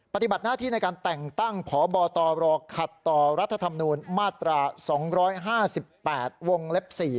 ปฏิบัติหน้าที่ในการแต่งตั้งพบตรขัดต่อรัฐธรรมนูญมาตรา๒๕๘วงเล็บ๔